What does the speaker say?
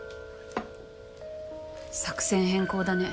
作戦変更だね。